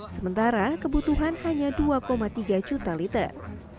sementara kebutuhan hanya dua tiga juta liter